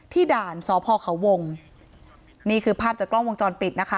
ด่านสพเขาวงนี่คือภาพจากกล้องวงจรปิดนะคะ